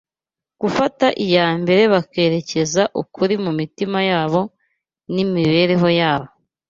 gufata iya mbere bakerereza ukuri mu mitima yabo n’imibereho yabo.